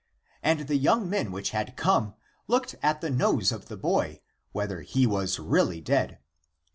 And the young men which had come looked at the nose of the boy, whether he were really dead.